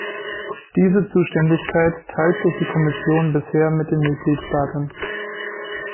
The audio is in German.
Diese Zuständigkeit teilt sich die Kommission bisher mit den Mitgliedstaaten.